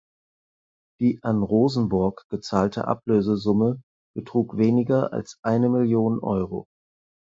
Die an Rosenborg gezahlte Ablösesumme betrug weniger als eine Million Euro.